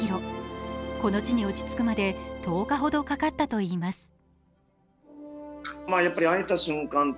この地に落ち着くまで１０日ほどかかったといいます。